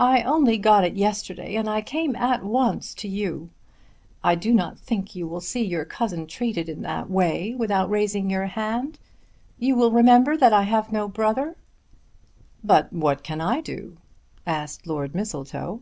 "I only got it yesterday and I came at once to you. I do not think you will see your cousin treated in that way without raising your hand. You will remember that I have no brother?" "But what can I do?" asked Lord Mistletoe.